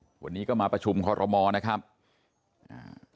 วันนี้ก็มาประชุมคอรมอนะครับอ่า